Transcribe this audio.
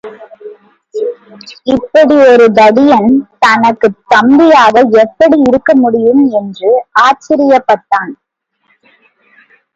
இப்படி ஒரு தடியன் தனக்குத் தம்பியாக எப்படி இருக்க முடியும் என்று ஆச்சரியப்பட்டான்.